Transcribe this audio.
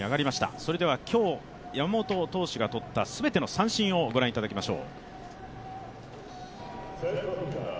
それでは今日、山本投手がとった全ての三振を御覧いただきましょう。